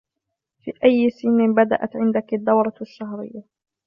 في أي سن بدأت عندك الدورة الشهرية؟